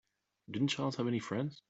Didn't Charles have any friends?